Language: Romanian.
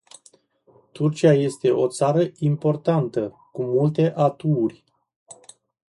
Turcia este o țară importantă cu multe atuuri.